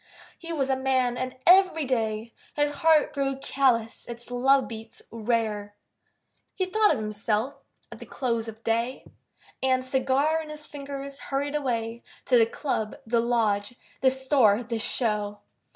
He was a man. And every day His heart grew callous, its love beats rare, He thought of himself at the close of day, And, cigar in his fingers, hurried away To the club, the lodge, the store, the show.